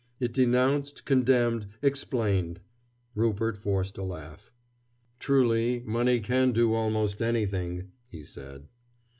It denounced, condemned, explained. Rupert forced a laugh. "Truly, money can do almost anything," he said.